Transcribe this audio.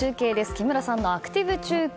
木村さんのアクティブ中継。